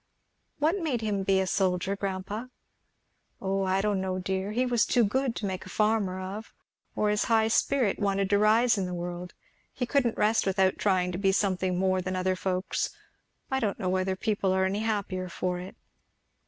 "What made him be a soldier, grandpa?" "Oh I don't know, dear! he was too good to make a farmer of or his high spirit wanted to rise in the world he couldn't rest without trying to be something more than other folks. I don't know whether people are any happier for it."